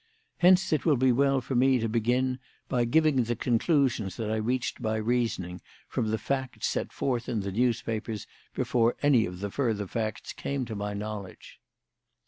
Hence it will be well for me to begin by giving the conclusions that I reached by reasoning from the facts set forth in the newspapers before any of the further facts came to my knowledge.